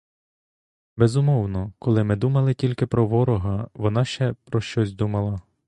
Безумовно, коли ми думали тільки про ворога, вона ще про щось думала.